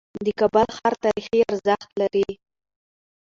د کابل ښار تاریخي ارزښت لري.